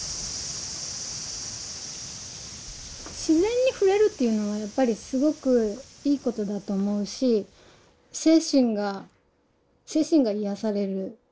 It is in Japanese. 自然に触れるというのはやっぱりすごくいいことだと思うし精神が精神が癒やされる。